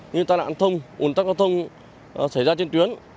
như ta đạn thông ủn tắc an toàn thông xảy ra trên tuyến